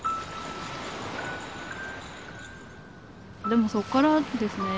でもそっからですね